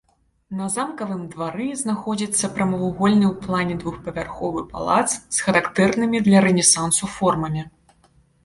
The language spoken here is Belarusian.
На замкавым двары знаходзіцца прамавугольны ў плане двухпавярховы палац з характэрнымі для рэнесансу формамі.